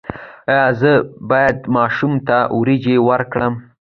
ایا زه باید ماشوم ته وریجې ورکړم؟